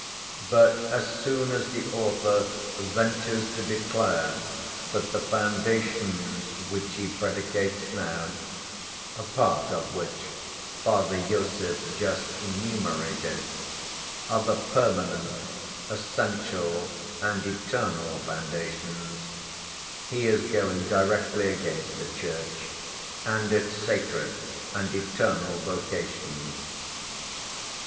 But as soon as the author ventures to declare that the foundations which he predicates now, part of which Father Iosif just enumerated, are the permanent, essential, and eternal foundations, he is going directly against the Church and its sacred and eternal vocation.